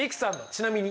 ちなみに。